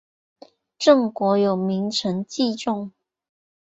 郑国有名臣祭仲。